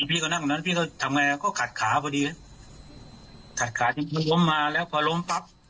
พี่เขานั่งโดนที่เขาทำง่ายอะก็ขัดขาพอดีขัดขาจงล้มมาแล้วพอล้มปั๊บ